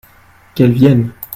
Qu'elle vienne !